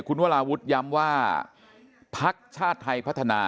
คุณวราวุฒิศิลปะอาชาหัวหน้าภักดิ์ชาติไทยพัฒนา